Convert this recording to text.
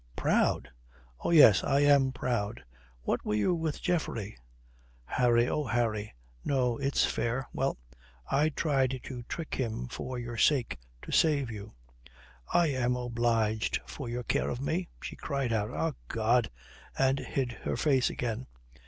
Proud? Oh, yes, I am proud. What were you with Geoffrey?" "Harry! Oh, Harry! No, it's fair. Well. I tried to trick him for your sake to save you." "I am obliged for your care of me." She cried out "Ah, God," and hid her face again.